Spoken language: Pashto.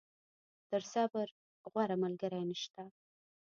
تر صبر، غوره ملګری نشته.